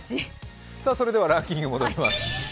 それではランキング戻ります